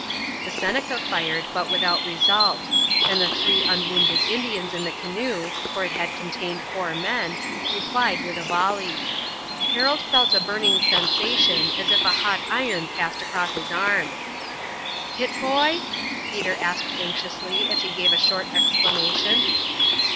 The Seneca fired, but without result; and the three unwounded Indians in the canoe for it had contained four men replied with a volley. Harold felt a burning sensation, as if a hot iron passed across his arm. "Hit, boy?" Peter asked anxiously as he gave a short exclamation.